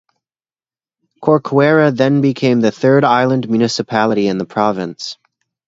Corcuera then became the third island municipality in the province.